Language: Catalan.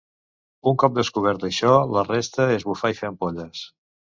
Un cop descobert això, la resta és bufar i fer ampolles.